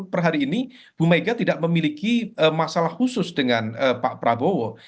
perhari ini bumega tidak memiliki masalah khusus dengan pak prabowo